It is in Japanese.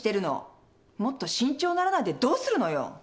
もっと慎重にならないでどうするのよ！